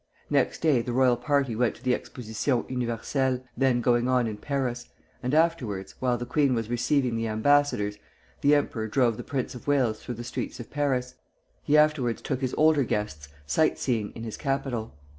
Next day the royal party went to the Exposition Universelle, then going on in Paris, and afterwards, while the queen was receiving the ambassadors, the emperor drove the Prince of Wales through the streets of Paris; he afterwards took his older guests sight seeing in his capital.